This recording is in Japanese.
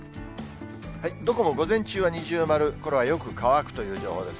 どこも午前中は二重丸、これはよく乾くという情報ですね。